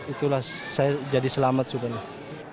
itulah saya jadi selamat sebenarnya